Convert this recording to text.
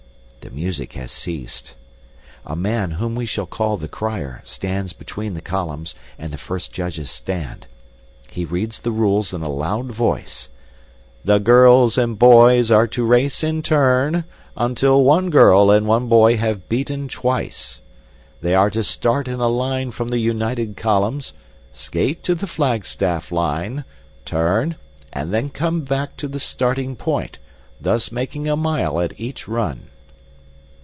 The music has ceased. A man, whom we shall call the crier, stands between the columns and the first judges' stand. He reads the rules in a loud voice: "The girls and boys are to race in turn, until one girl and one boy have beaten twice. They are to start in a line from the united columns, skate to the flagstaff line, turn, and then come back to the starting point, thus making a mile at each run."